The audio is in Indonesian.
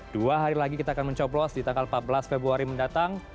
dua hari lagi kita akan mencoblos di tanggal empat belas februari mendatang